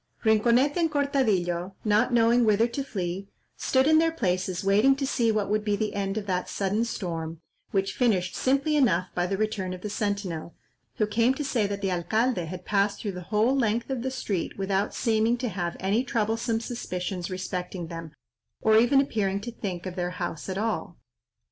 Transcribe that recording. Rinconete and Cortadillo, not knowing whither to flee, stood in their places waiting to see what would be the end of that sudden storm, which finished simply enough by the return of the sentinel, who came to say that the alcalde had passed through the whole length of the street without seeming to have any troublesome suspicions respecting them, or even appearing to think of their house at all.